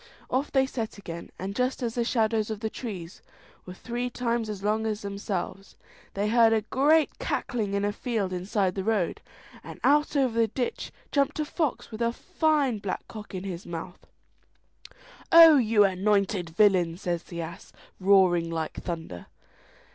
"' Off they set again, and just as the shadows of the trees were three times as long as themselves, they heard a great cackling in a field inside the road, and out over the ditch jumped a fox with a fine black cock in his mouth. "Oh, you anointed villain!" says the ass, roaring like thunder.